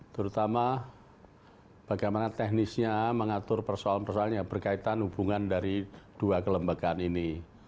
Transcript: terutama bagaimana teknisnya mengatur persoalan persoalan yang berkaitan hubungan dari dua kelembagaan ini